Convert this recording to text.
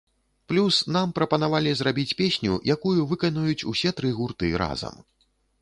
Плюс, нам прапанавалі зрабіць песню, якую выканаюць усе тры гурты разам.